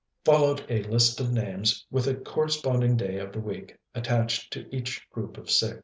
Followed a list of names, with a corresponding day of the week attached to each group of six.